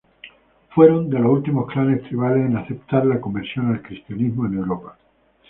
Fueron de los últimos clanes tribales en aceptar la conversión al Cristianismo en Europa.